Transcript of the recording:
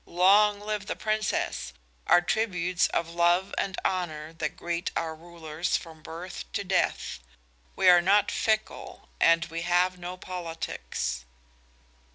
'Long live the Princess!' are tributes of love and honor that greet our rulers from birth to death. We are not fickle, and we have no politics."